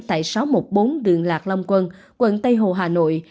tại sáu trăm một mươi bốn đường lạc long quân quận tây hồ hà nội